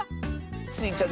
スイちゃん